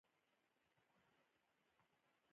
سپينر بالر توپ ته تاو ورکوي.